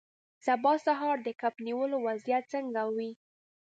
سبا سهار به د کب نیولو وضعیت څنګه وي